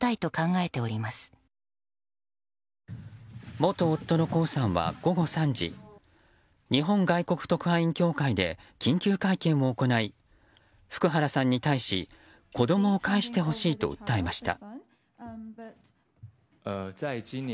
元夫の江さんは午後３時日本外国特派員協会で緊急会見を行い福原さんに対し子供を返してほしいと訴えました。